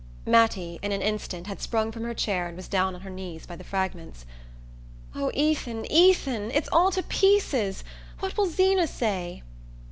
Mattie, in an instant, had sprung from her chair and was down on her knees by the fragments. "Oh, Ethan, Ethan it's all to pieces! What will Zeena say?"